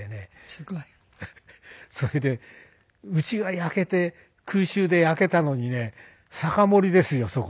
すごい。それで家が焼けて空襲で焼けたのにね酒盛りですよそこで。